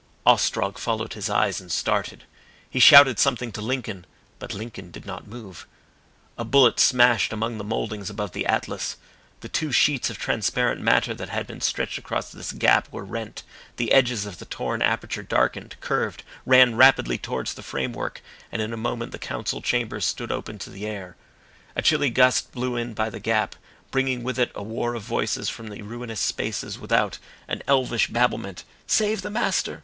Ostrog followed his eyes and started. He shouted something to Lincoln, but Lincoln did not move. A bullet smashed among the mouldings above the Atlas. The two sheets of transparent matter that had been stretched across this gap were rent, the edges of the torn aperture darkened, curved, ran rapidly towards the framework, and in a moment the Council chamber stood open to the air. A chilly gust blew in by the gap, bringing with it a war of voices from the ruinous spaces without, an elvish babblement, "Save the Master!"